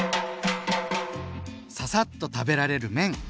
ササッと食べられる麺！